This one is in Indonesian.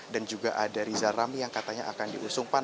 dan juga ada riza rami yang katanya akan diusung pan